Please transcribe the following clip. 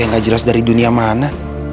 gak jelas dari dunia mana